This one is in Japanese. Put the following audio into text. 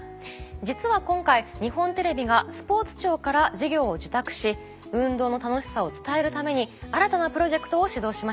実は今回日本テレビがスポーツ庁から事業を受託し運動の楽しさを伝えるために新たなプロジェクトを始動しました。